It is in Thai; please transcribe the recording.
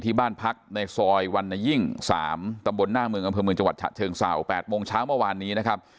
ที่บ้านพักในซอยวรรณยิ่ง๓ตำบลหน้าเมืองอำเภอเมืองจังหวัดฉะเชิงเศร้า๘โมงเช้าเมื่อวานนี้นะครับ